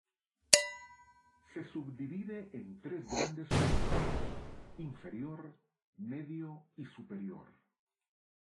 Se subdivide en tres grandes periodos: Inferior, Medio y Superior.